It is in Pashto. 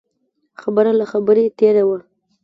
خبره له خبرې تېره وه.